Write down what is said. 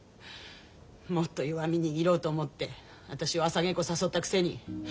もっと弱み握ろうと思って私を朝稽古誘ったくせに。